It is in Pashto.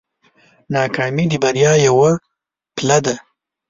ناکامي د بریا یوه پله ده.